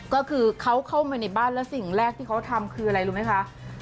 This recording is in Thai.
ก็คือเขาเข้ามาในบ้านแล้วสิ่งแรกที่เขาทำคืออะไรรู้ไหมคะ